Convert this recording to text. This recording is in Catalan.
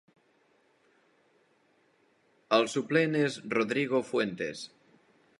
El suplent és Rodrigo Fuentes.